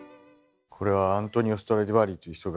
これはアントニオ・ストラディヴァリという人が作った